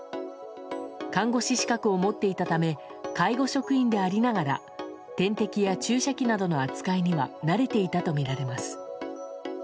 看護師資格を持っていたため介護職員でありながら点滴や注射器などの扱いには慣れていたとみられます。